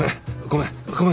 ごめん。